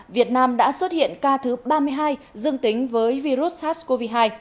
việt nam đã xuất hiện ca thứ ba mươi hai dương tính với virus sars cov hai